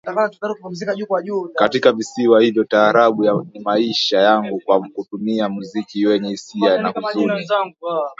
katika visiwa hivyo Taarabu ni maisha yangu Kwa kutumia muziki wenye hisia na huzuni